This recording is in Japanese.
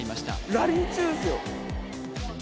ラリー中ですよ